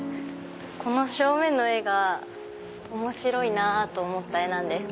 この正面の絵が面白いなと思った絵なんです。